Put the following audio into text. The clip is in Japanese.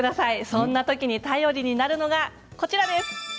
そんな時に頼りになるのがこちらです。